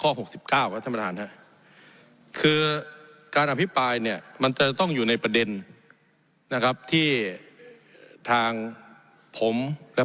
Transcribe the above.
ของ๖๙กราธรรมงานก็คือการอภิการเนี่ยมันจะต้องอยู่ในประเด็นนะครับที่ทางผมและ